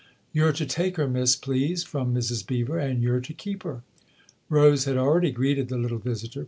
" You're to take her, miss, please from Mrs. Beever. And you're to keep her." Rose had already greeted the little visitor.